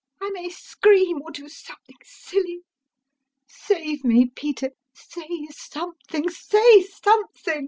I may scream... or do something silly. Save me, Peter. Say something, say something.